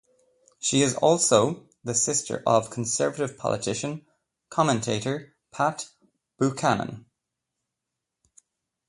She is also the sister of conservative political commentator Pat Buchanan.